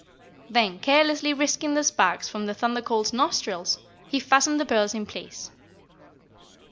Then carelessly risking the sparks from the Thunder Colt's nostrils, he fastened the pearls in place.